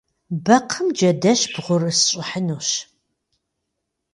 Бэкхъым джэдэщ бгъурысщӏыхьынущ.